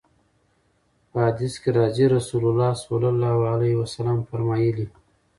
په حديث کي راځي: رسول الله صلی الله عليه وسلم فرمايلي: